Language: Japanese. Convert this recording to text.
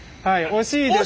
惜しいです。